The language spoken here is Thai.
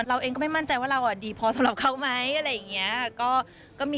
เราเองก็ไม่มั่นใจว่าเราดีพอสำหรับเขาไหม